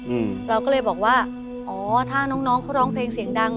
อืมเราก็เลยบอกว่าอ๋อถ้าน้องน้องเขาร้องเพลงเสียงดัง